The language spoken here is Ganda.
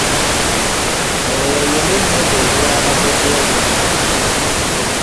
Nga bwe bayimba ennyimba eziwaana Bobi Wine.